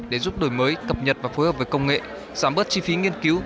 để giúp đổi mới cập nhật và phối hợp với công nghệ giảm bớt chi phí nghiên cứu